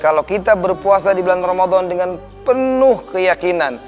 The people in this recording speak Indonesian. kalau kita berpuasa di bulan ramadan dengan penuh keyakinan